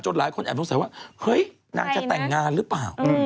หลายคนแอบสงสัยว่าเฮ้ยนางจะแต่งงานหรือเปล่า